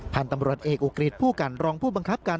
ท่านตำรวจเอกอุกริฐผู้กันรองผู้บังคับการ